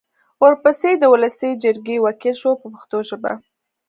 ورپسې د ولسي جرګې وکیل شو په پښتو ژبه.